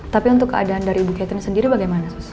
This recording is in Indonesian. tapi untuk keadaan dari ibu catherine sendiri bagaimana